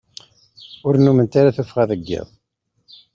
Ur nnument ara tuffɣa deg iḍ.